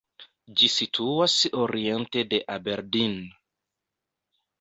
Ĝi situas oriente de Aberdeen.